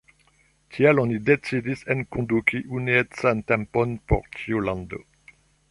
Tiel oni decidis enkonduki unuecan tempon por ĉiu lando.